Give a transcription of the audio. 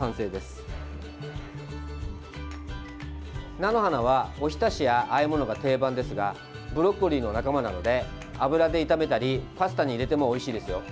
菜の花は、おひたしやあえものが定番ですがブロッコリーの仲間なので油で炒めたりパスタに入れてもおいしいですよ。